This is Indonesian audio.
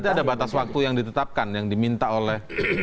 berarti ada batas waktu yang ditetapkan yang diminta oleh